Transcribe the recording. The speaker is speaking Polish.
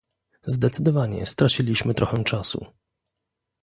Zdecydowanie straciliśmy trochę czasu